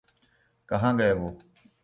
کہاں گئے وہ؟